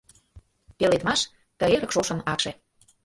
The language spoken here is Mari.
Пеледмаш — ты эрык шошын акше.